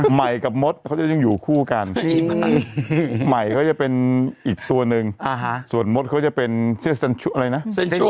ใหม่กับมดเขายังอยู่คู่กันใหม่เขาจะเป็นอีกตัวนึงส่วนมดเขาจะเป็นเชื่อเซ็นชัวร์อะไรนะเซ็นชัวร์